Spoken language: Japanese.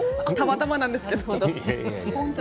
たまたまなんですけど。